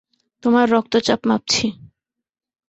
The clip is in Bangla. তোমার রক্তচাপ মাপছি।